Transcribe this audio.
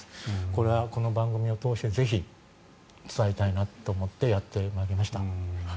これは、この番組を通してぜひ伝えたいなと思ってやってまいりました。